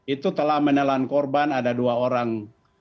itu telah menelan korban ada dua orang